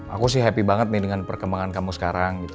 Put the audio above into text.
aku sih happy banget nih dengan perkembangan kamu sekarang gitu